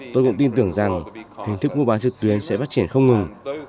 tôi cũng tin tưởng rằng hình thức mua bán trực tuyến sẽ phát triển không ngừng